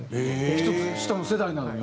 １つ下の世代なのに？